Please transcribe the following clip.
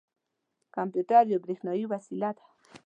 کمپیوټر یوه بریښنايې وسیله ده.